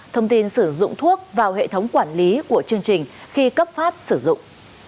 thông tin sử dụng thuốc vào hệ thống quản lý của chương trình khi cấp phát sử dụng